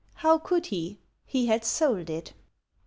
How could he? He had sold it!"